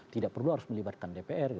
tidak perlu harus melibatkan dpr